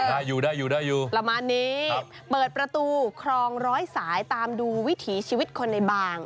เออประมาณนี้เปิดประตูคลองร้อยสายตามดูวิถีชีวิตคนในบาง